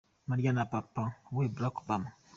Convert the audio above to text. Malia na papa we Balack Obama.